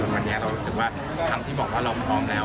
วันนี้เรารู้สึกว่าคำที่บอกว่าเราพร้อมแล้ว